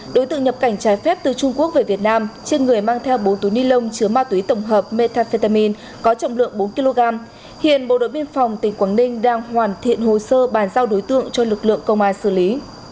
đối tượng nhập cảnh trái phép từ trung quốc về việt nam trên người mang theo bốn túi ni lông chứa ma túy tổng hợp metafetamin có trọng lượng bốn kg hiện bộ đội biên phòng tỉnh quảng ninh đang hoàn thiện hồ sơ bàn giao đối tượng cho lực lượng công an xử lý